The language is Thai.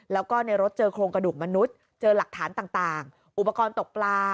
แล้วก็ในรถเจอโครงกระดูกมนุษย์เจอหลักฐานต่างอุปกรณ์ตกปลา